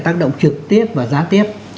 tác động trực tiếp và giá tiếp